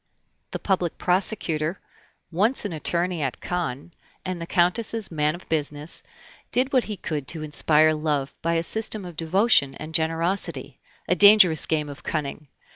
The public prosecutor, once an attorney at Caen, and the Countess's man of business, did what he could to inspire love by a system of devotion and generosity, a dangerous game of cunning!